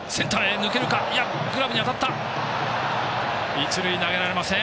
一塁、投げられません。